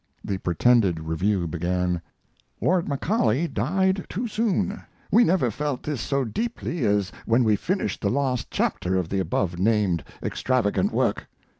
The pretended review began: Lord Macaulay died too soon. We never felt this so deeply as when we finished the last chapter of the above named extravagant work.